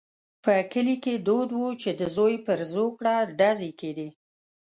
په کلي کې دود وو چې د زوی پر زوکړه ډزې کېدې.